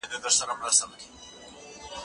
زه پرون درسونه لوستل کوم!.